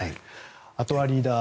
あとはリーダー